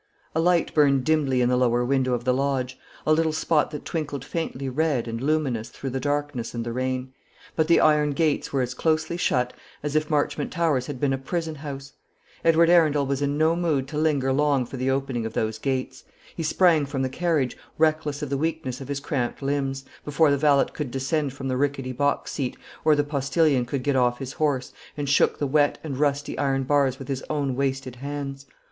A light burned dimly in the lower window of the lodge, a little spot that twinkled faintly red and luminous through the darkness and the rain; but the iron gates were as closely shut as if Marchmont Towers had been a prison house. Edward Arundel was in no humour to linger long for the opening of those gates. He sprang from the carriage, reckless of the weakness of his cramped limbs, before the valet could descend from the rickety box seat, or the postillion could get off his horse, and shook the wet and rusty iron bars with his own wasted hands.